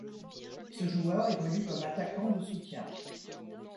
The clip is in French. Ce joueur évolue comme attaquant de soutien.